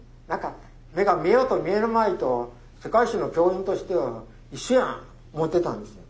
目が見えようと見えるまいと世界史の教員としては一緒やん思うてたんですよ。